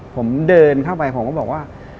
ผมเดินเข้าไปผมก็บอกว่า